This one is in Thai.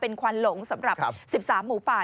เป็นควันหลงสำหรับ๑๓หมูป่า